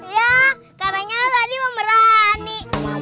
ya karena tadi memerani